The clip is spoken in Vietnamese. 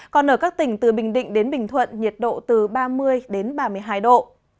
còn ở các tỉnh từ bình định đến bình thuận nhiệt độ từ ba mươi đến ba mươi hai độ